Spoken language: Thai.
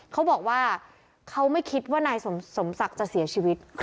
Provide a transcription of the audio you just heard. เขาบอกว่าเขาไม่คิดว่านายสมศักดิ์จะเสียชีวิต